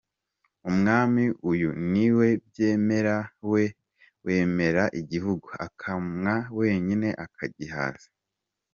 Umwami uyu ni we Byemera, we wemera igihugu, akamwa wenyine akagihaza.